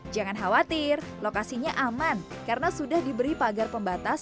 jangan khawatir lokasinya aman karena sudah diberi pagar pembatas